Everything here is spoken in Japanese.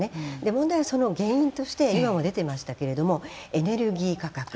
問題はその原因として今も出ていましたけれどもエネルギー価格。